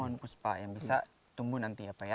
mohon puspa yang bisa tumbuh nanti ya pak ya